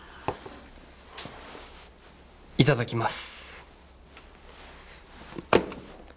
いただきます！